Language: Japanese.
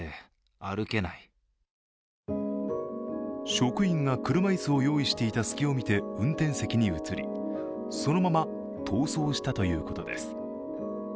職員が車椅子を用意していた隙を見て運転席に移りそのまま逃走したということです。